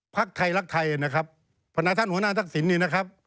พักไทยรักไทยนะครับพนักท่านหัวหน้าทักษิณนี่นะครับ